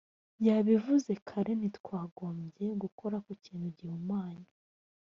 yabivuze kare ntitwagombye gukora ku kintu gihumanye